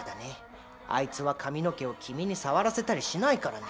あいつは髪の毛を君に触らせたりしないからね。